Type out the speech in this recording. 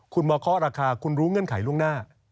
คุณมาเคาะราคาคุณรู้เงื่อนไขล่วงหน้า